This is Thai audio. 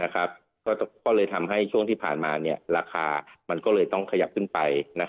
ก็เลยทำให้ช่วงที่ผ่านมาราคามันก็เลยต้องขยับขึ้นไป